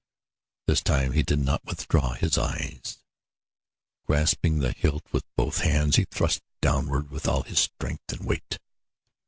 This time he did not withdraw his eyes. Grasping the hilt with both hands, he thrust downward with all his strength and weight.